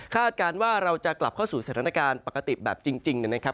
การว่าเราจะกลับเข้าสู่สถานการณ์ปกติแบบจริงนะครับ